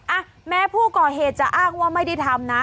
อ่ะแม้ผู้ก่อเหตุจะอ้างว่าไม่ได้ทำนะ